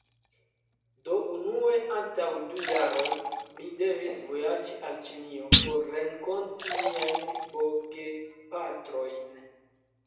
Do unue, antaŭ du jaroj, mi devis vojaĝi al Ĉinio por renkonti miajn bogepatrojn.